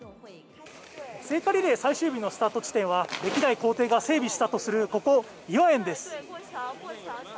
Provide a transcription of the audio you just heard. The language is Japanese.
聖火リレー最終日のスタート地点は歴代皇帝が整備したとするここ、頤和園です。